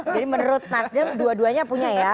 jadi menurut nasdem dua duanya punya ya